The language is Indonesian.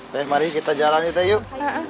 teh mari kita jalan yuk teh yuk